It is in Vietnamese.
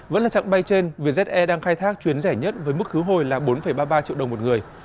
vẫn là trạng bay trên vietjet air đang khai thác chuyến rẻ nhất với mức cứu hồi là bốn ba mươi ba triệu đồng một người